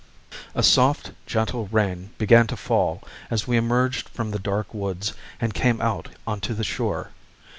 A soft gentle rain began to fall as we emerged from the dark woods and came out onto the shore.